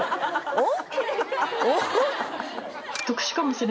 おっ？